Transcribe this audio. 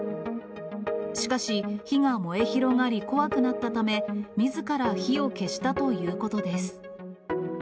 しかし、火が燃え広がり、怖くなったため、みずから火を消したということです。